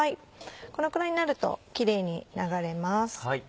このくらいになるとキレイに流れます。